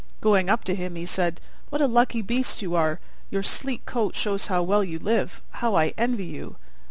Going up to him, he said, "What a lucky beast you are! Your sleek coat shows how well you live: how I envy you!"